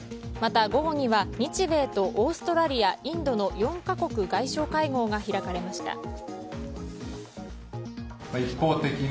また、午後には日米とオーストラリア、インドの４か国外相会合が開かれました。